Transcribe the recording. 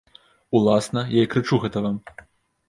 Уласна, я і крычу гэта вам.